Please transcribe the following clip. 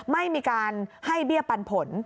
ไม่มีการให้เบี้ยปันผล